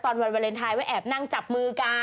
วันวันวาเล็นไทยก็แอบนั่งจับมือกัน